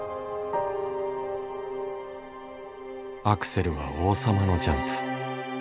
「アクセルは王様のジャンプ」